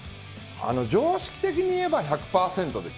常識的にいえば１００％です